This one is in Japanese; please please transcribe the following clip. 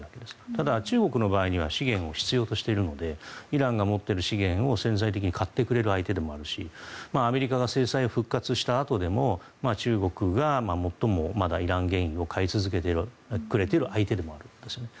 ただ、中国の場合には資源を必要としているのでイランが持っている資源を潜在的に買ってくれる相手でもあるしアメリカが制裁を復活したあとでも中国が最も、まだイラン原油を買い続けてくれている相手でもあるんですよね。